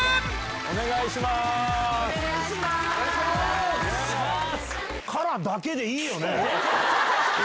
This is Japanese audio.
お願いします。